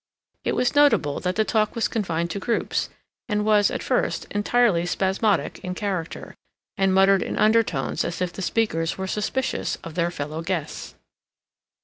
It was notable that the talk was confined to groups, and was, at first, entirely spasmodic in character, and muttered in undertones as if the speakers were suspicious of their fellow guests.